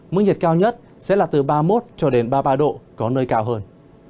mức nhiệt cao nhất sẽ là từ ba mươi một cho đến ba mươi ba độ có nơi cao hơn